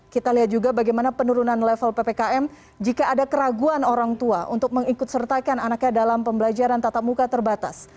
kita lihat juga bagaimana penurunan level ppkm jika ada keraguan orang tua untuk mengikut sertakan anaknya dalam pembelajaran tatap muka terbatas